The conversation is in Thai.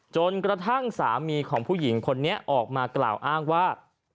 จนกระทั่งสามีของผู้หญิงคนนี้ออกมากล่าวอ้างว่า